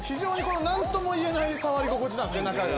何とも言えない触り心地なんです中が。